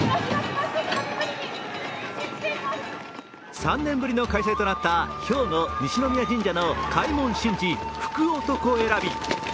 ３年ぶりの開催となった兵庫・西宮神社の開門神事、福男選び。